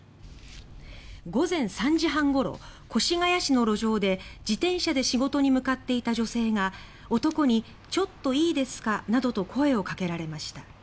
午前３時半ごろ越谷市の路上で自転車で仕事に向かっていた女性が男に、ちょっといいですかなどと声をかけられました。